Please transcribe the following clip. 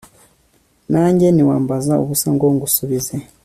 nange niwambaza ubusa ngo ngusubize